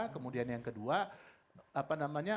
kemudian yang kedua apa namanya